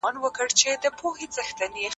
نړيوالي تجربې د اقتصادي ودي لپاره کارول کېږي.